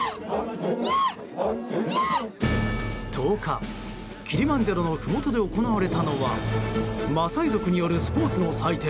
１０日、キリマンジャロのふもとで行われたのはマサイ族によるスポーツの祭典